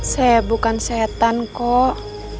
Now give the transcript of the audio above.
saya bukan setan kok